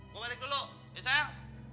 gua balik dulu ya sel